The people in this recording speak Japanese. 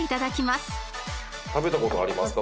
食べた事ありますか？